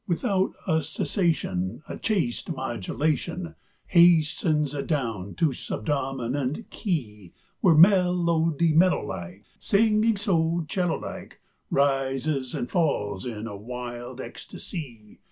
Without a cessation A chaste modulation Hastens adown to subdominant key, Where melody mellow like Singing so 'cello like Rises and falls in a wild ecstasy.